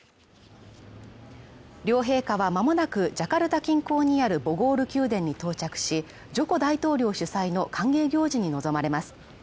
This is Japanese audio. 両陛下はまもなくジャカルタ近郊にあるボゴール宮殿に到着し、ジョコ大統領主催の歓迎行事に臨まれます。